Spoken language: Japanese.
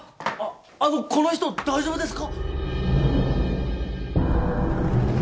あのこの人大丈夫ですか？